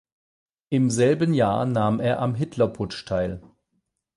Im selben Jahr nahm er am Hitlerputsch teil.